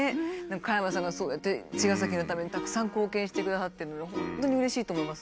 加山さんがそうやって茅ヶ崎のためにたくさん貢献してくださって本当にうれしいと思います。